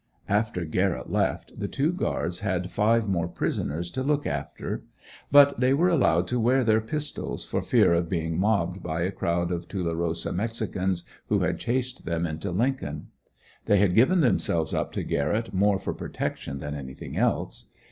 After Garrett left, the two guards had five more prisoners to look after. But they were allowed to wear their pistols, for fear of being mobbed by a crowd of Tulerosa mexicans who had chased them into Lincoln. They had given themselves up to Garrett more for protection than anything else.